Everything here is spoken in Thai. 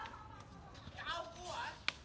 อย่าเอาของกูเหรอ